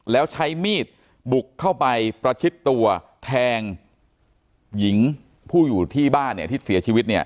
แล้วใช้มีดบุกเข้าไปประชิดตัวแทงหญิงผู้อยู่ที่บ้านเนี่ยที่เสียชีวิตเนี่ย